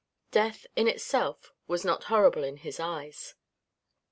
Death, in itself, was not horrible in his eyes.